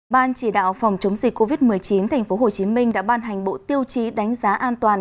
ban chỉ đạo phòng chống dịch covid một mươi chín tp hcm đã ban hành bộ tiêu chí đánh giá an toàn